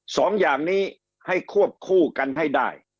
สองอย่างนี้ให้ควบคู่กันให้ได้